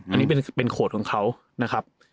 อันนี้เป็นโขดของเขานะครับ